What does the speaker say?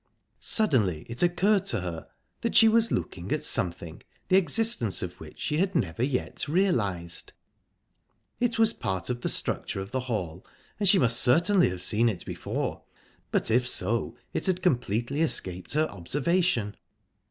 Suddenly it occurred to her that she was looking at something the existence of which she had never yet realised. It was a part of the structure of the hall, and she must certainly have seen it before, but, if so, it had completely escaped her observation.